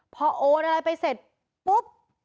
พอโอนอะไรไปเสร็จปุ๊บ